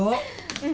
うん。